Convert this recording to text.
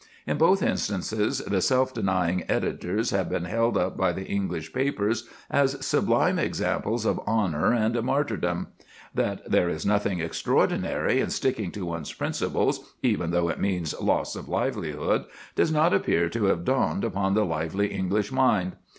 In both instances the self denying editors have been held up by the English papers as sublime examples of honour and martyrdom. That there is nothing extraordinary in sticking to one's principles, even though it means loss of livelihood, does not appear to have dawned upon the lively English mind.